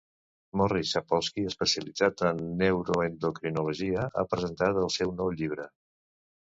Morris Sapolsky, especialitzat en neuroendocrinologia, ha presentat el seu nou llibre.